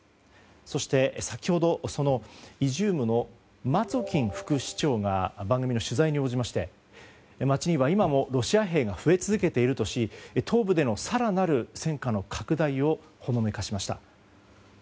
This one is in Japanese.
そして、先ほどイジュームのマツォキン副市長が番組の取材に応じまして街には今もロシア兵が増え続けているとし東部での更なる戦禍の拡大をほのめかしました。